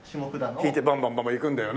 引いてバンバンババン行くんだよね。